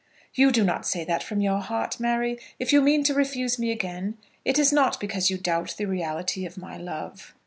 "You do not say that from your heart, Mary. If you mean to refuse me again, it is not because you doubt the reality of my love."